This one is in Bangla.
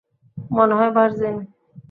মনে হয়, ভার্জিন।